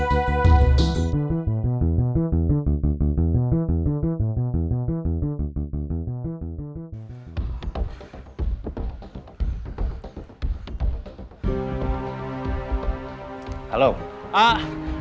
masih di pasar